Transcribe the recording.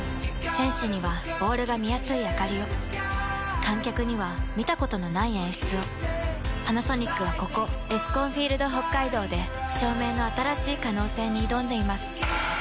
選手にはボールが見やすいあかりを観客には見たことのない演出をパナソニックはここエスコンフィールドＨＯＫＫＡＩＤＯで照明の新しい可能性に挑んでいます